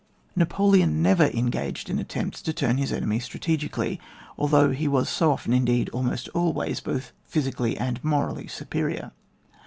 Napoleon never engaged in attempts to turn his enemy strategically, although he was so often, indeed almost always, both physically and morally superior.